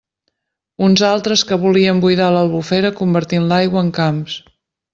Uns altres que volien buidar l'Albufera convertint l'aigua en camps!